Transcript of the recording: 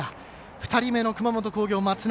２人目の熊本工業、松波。